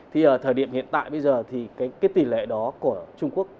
thì ở thời điểm hiện tại bây giờ thì cái tỷ lệ đó của trung quốc